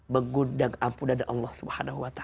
mengundang ampunan allah swt